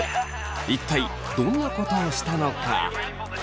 一体どんなことをしたのか？